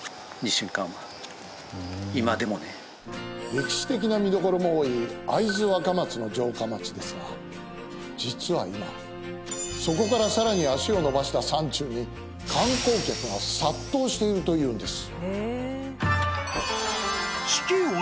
歴史的な見どころも多い会津若松の城下町ですが実は今そこから更に足を延ばした山中に観光客が殺到しているというんです。